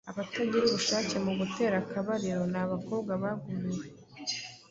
Abatagira ubushake mu gutera akabariro n’abakobwa bagumiwe,